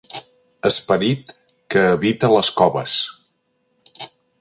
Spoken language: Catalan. Esperit que habita les coves.